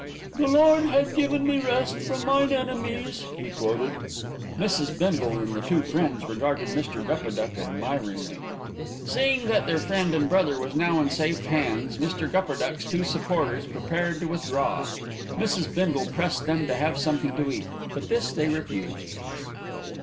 "'The Lord hath given me rest from mine enemies,'" he quoted. Mrs. Bindle and the two friends regarded Mr. Gupperduck admiringly. Seeing that their friend and brother was now in safe hands, Mr. Gupperduck's two supporters prepared to withdraw. Mrs. Bindle pressed them to have something to eat; but this they refused.